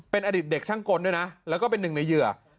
เป็นอดีตเด็กช่างกลด้วยนะแล้วก็เป็นหนึ่งในเหยื่อ